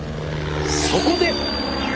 そこで！